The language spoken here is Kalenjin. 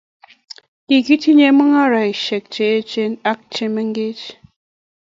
kikitiny mung'arenik che echen ak che mengechen